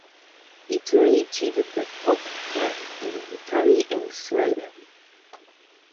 It reached the top ten in Italy and Sweden.